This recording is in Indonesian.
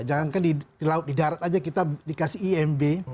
jangan kan di laut di darat saja kita dikasih imb